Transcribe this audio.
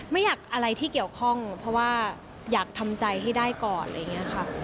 ไม่อยากอะไรที่เกี่ยวข้องเพราะว่าอยากทำใจให้ได้ก่อนอะไรอย่างนี้ค่ะ